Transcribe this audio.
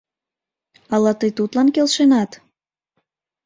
Ала тый тудлан келшенат?